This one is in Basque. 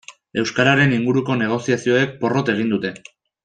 Euskararen inguruko negoziazioek porrot egin dute.